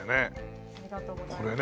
これね。